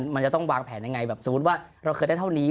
มันจะต้องวางแผนยังไงแบบสมมุติว่าเราเคยได้เท่านี้